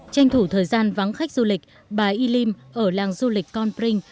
tranh thủ thời gian vắng khách du lịch bà y lim ở làng du lịch con pring